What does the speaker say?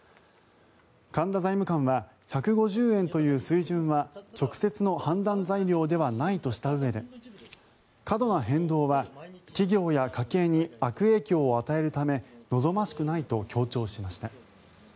神田財務官は１５０円という水準は直接の判断材料ではないとしたうえで過度な変動は企業や家計に悪影響を与えるため望ましくないと強調しました。